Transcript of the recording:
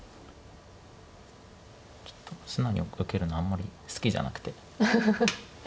ちょっと素直に受けるのあんまり好きじゃなくて。